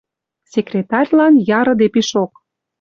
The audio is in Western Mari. Секретарьлан ярыде пишок